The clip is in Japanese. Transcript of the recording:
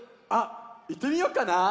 あっいってみようかな。